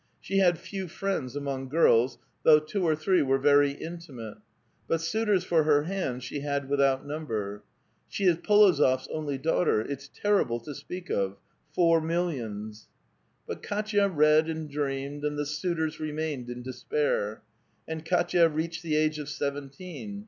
She had few friends among girls, though two or three were very in timate ; but suitora for her hand she had without number. She is P61oBors onljT daughter ; it's terrible to speak of: four millions ! But Kdtva read and dreamed, and the suitors remained in despair. And Kdtya reached the age of seventeen.